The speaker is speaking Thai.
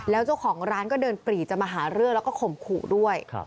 แล้วเจ้าของร้านก็เดินปรีจะมาหาเรื่องแล้วก็ข่มขู่ด้วย